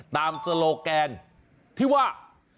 ตามโซโลแกนที่ว่า